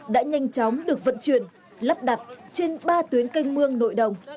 đã nhanh chóng được vận chuyển lắp đặt trên ba tuyến canh mương nội đồng